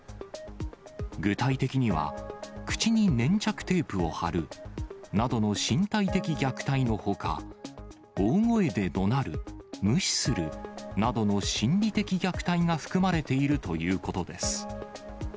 具体的には、口に粘着テープを貼るなどの身体的虐待のほか、大声でどなる、無視するなどの心理的虐待が含まれているということです。